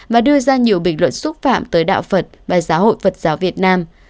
và đưa ra nhiều bình luận xúc phạm tới đạo phật bài giáo hội phật giáo việt nam